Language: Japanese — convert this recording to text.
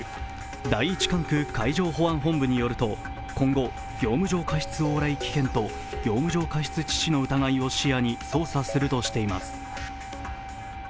第一管区海上保安本部によると今後、業務上過失往来危険と業務上過失致死の疑いを視野に捜査するとしています。